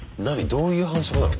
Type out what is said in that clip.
どういう反則なの？